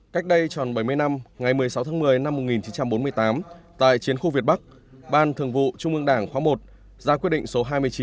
cách đây tròn bảy mươi năm ngày một mươi sáu tháng một mươi năm một nghìn chín trăm bốn mươi tám tại chiến khu việt bắc ban thường vụ trung ương đảng khóa một ra quyết định số hai mươi chín